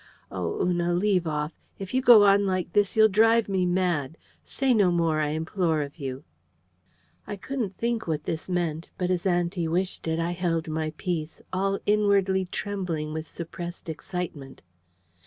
Oh, Una, leave off! If you go on like this, you'll drive me mad. Say no more, I implore of you." I couldn't think what this meant; but as auntie wished it, I held my peace, all inwardly trembling with suppressed excitement.